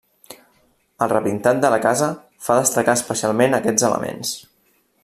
El repintat de la casa fa destacar especialment aquests elements.